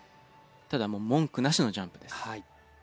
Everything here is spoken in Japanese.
ただもう文句なしのジャンプです。